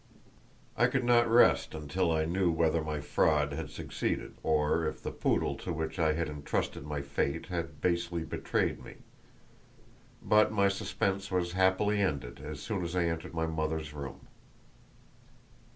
I could not rest until I knew whether my fraud had succeeded, or if the poodle to which I had intrusted my fate had basely betrayed me; but my suspense was happily ended as soon as I entered my mother's room.